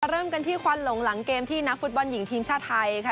เริ่มกันที่ควันหลงหลังเกมที่นักฟุตบอลหญิงทีมชาติไทยค่ะ